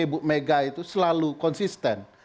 bu megah itu selalu konsisten